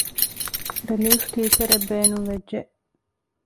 ރިލީފް ޓީޗަރ އެއް ބޭނުންވެއްޖެ